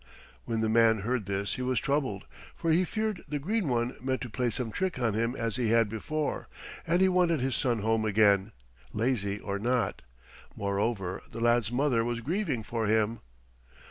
When the man heard this he was troubled, for he feared the Green One meant to play some trick on him as he had before, and he wanted his son home again, lazy or not. Moreover the lad's mother was grieving for him.